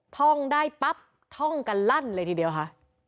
ท่องได้ปั๊บท่องกันลั่นเลยทีเดียวค่ะ